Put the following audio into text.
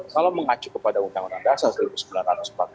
kalau mengacu kepada undang undang dasar seribu sembilan ratus empat puluh lima